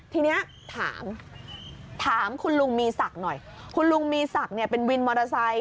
ทีนี้ถามถามคุณลุงมีศักดิ์หน่อยคุณลุงมีศักดิ์เนี่ยเป็นวินมอเตอร์ไซค